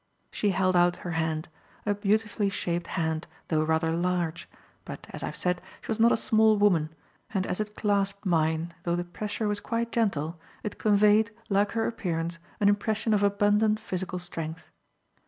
She held out her hand; a beautifully shaped hand, though rather large but, as I have said, she was not a small woman; and as it clasped mine, though the pressure was quite gentle, it conveyed, like her appearance, an impression of abundant physical strength.